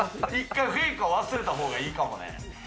１回フェイクは忘れた方がいいかもね。